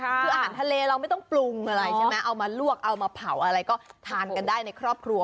คืออาหารทะเลเราไม่ต้องปรุงอะไรใช่ไหมเอามาลวกเอามาเผาอะไรก็ทานกันได้ในครอบครัว